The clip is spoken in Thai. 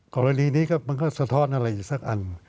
กรณีนี้สะท้อนอะไรอีกสักอัน